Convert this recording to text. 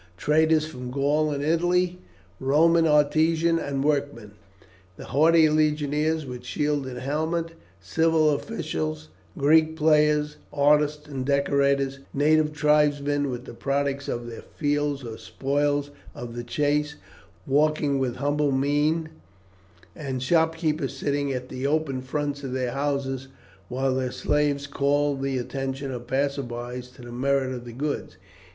Traders from Gaul and Italy, Roman artisans and workmen, haughty legionaries with shield and helmet, civil officials, Greek players, artists and decorators, native tribesmen, with the products of their fields or the spoils of the chase, walking with humble mien; and shopkeepers sitting at the open fronts of their houses, while their slaves called the attention of passersby to the merits of the goods.